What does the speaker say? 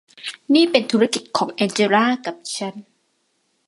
นี่เป็นธุรกิจของแองเจล่ากับฉัน